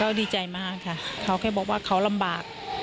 ก็ดีใจมากค่ะเขาแค่บอกว่าเขาลำบาก